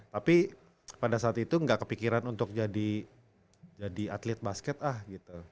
tapi pada saat itu nggak kepikiran untuk jadi atlet basket ah gitu